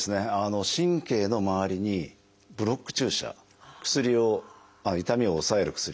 神経の周りにブロック注射痛みを抑える薬